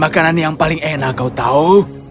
makanan yang paling enak kau tahu